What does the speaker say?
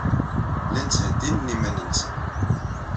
Llan ttheddinen iman-nsen.